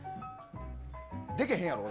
でけへんやろ。